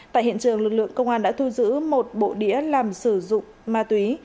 tại hiện trường lực lượng công an đã thu giữ một bộ đĩa làm sử dụng trái phép chân ma túy